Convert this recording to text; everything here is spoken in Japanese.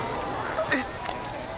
えっ！？